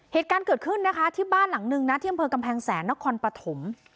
เหตุการณ์เกิดขึ้นนะคะที่บ้านหลังนึงนะที่อำเภอกำแพงแสนนครปฐม